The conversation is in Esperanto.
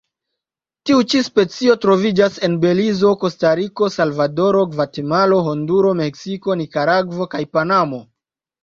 Tiu ĉi specio troviĝas en Belizo, Kostariko, Salvadoro, Gvatemalo, Honduro, Meksiko, Nikaragvo kaj Panamo.